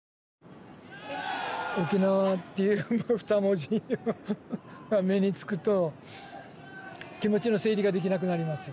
「沖縄」っていう二文字が目につくと気持ちの整理ができなくなります。